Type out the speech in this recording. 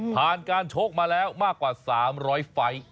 ผ่านการชกมาแล้วมากกว่า๓๐๐ไฟล์